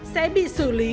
sẽ bị xử lý